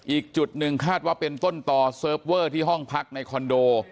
อีกจุดหนึ่งคาดว่าเป็นต้นต่อเซิร์ฟเวอร์ที่ห้องพักในคอนโด